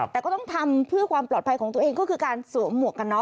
แต่ก็ต้องทำเพื่อความปลอดภัยของตัวเองก็คือการสวมหมวกกันน็